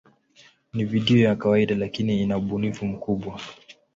Ni video ya kawaida, lakini ina ubunifu mkubwa.